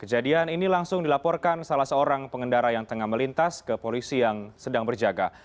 kejadian ini langsung dilaporkan salah seorang pengendara yang tengah melintas ke polisi yang sedang berjaga